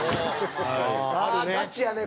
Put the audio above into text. ああガチやね